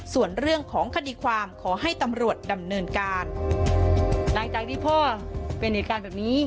ส่วนเรื่องของคดีความขอให้ตำรวจดำเนินการ